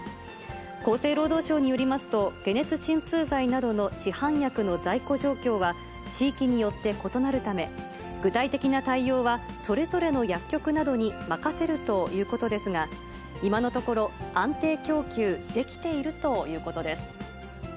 厚生労働省によりますと、解熱鎮痛剤などの市販薬の在庫状況は、地域によって異なるため、具体的な対応は、それぞれの薬局などに任せるということですが、今のところ、安定供給できているということです。